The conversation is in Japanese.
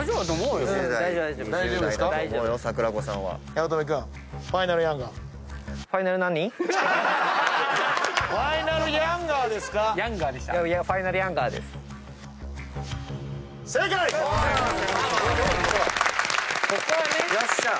よっしゃ！